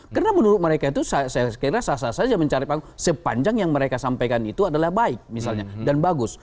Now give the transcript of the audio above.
karena menurut mereka itu saya rasa saja mencari panggung sepanjang yang mereka sampaikan itu adalah baik misalnya dan bagus